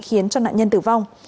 khiến cho nạn nhân tử vong